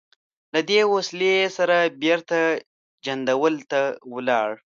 له دې وسلې سره بېرته جندول ته ولاړ.